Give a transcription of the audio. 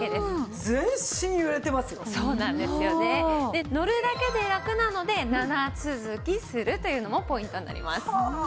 で乗るだけでラクなので長続きするというのもポイントになります。